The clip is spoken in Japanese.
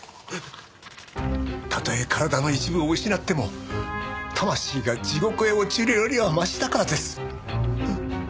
たとえ体の一部を失っても魂が地獄へ落ちるよりはマシだからです。